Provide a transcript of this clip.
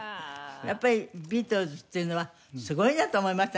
やっぱりビートルズっていうのはすごいなと思いました